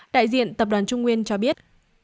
đại diện tập đoàn trung nguyên cho biết